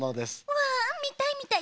わあみたいみたい。